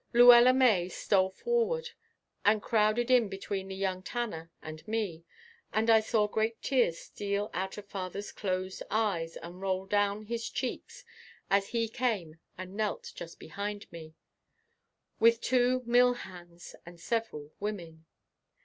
Luella May stole forward and crowded in between the young tanner and me, and I saw great tears steal out of father's closed eyes and roll down his cheeks, as he came and knelt just behind me, with two mill hands and several women.